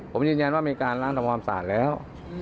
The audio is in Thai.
ผมยืนยันว่ามีการล้างทำความสะอาดแล้ว